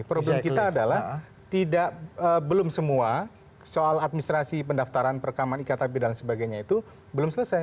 problem kita adalah belum semua soal administrasi pendaftaran perekaman iktp dan sebagainya itu belum selesai